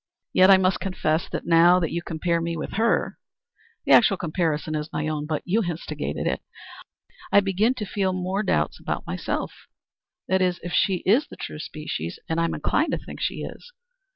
Yet I must confess that now that you compare me with her (the actual comparison is my own, but you instigated it), I begin to feel more doubts about myself that is if she is the true species, and I'm inclined to think she is.